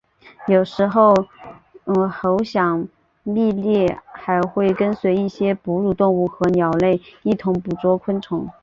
有时黑喉响蜜䴕还会跟随一些哺乳动物和鸟类一同捕捉昆虫。